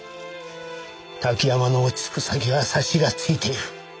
滝山の落ち着く先は察しがついている。